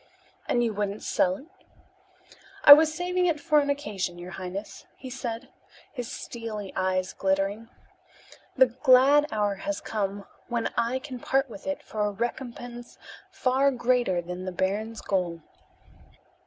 "And you wouldn't sell it?" "I was saving it for an occasion, your highness," he said, his steely eyes glittering. "The glad hour has come when I can part with it for a recompense far greater than the baron's gold."